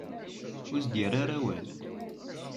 Ur as-d-yerri ara awal.